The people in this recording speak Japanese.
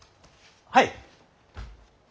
はい。